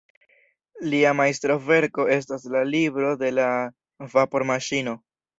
Lia majstroverko estas la "Libro de la Vapormaŝino".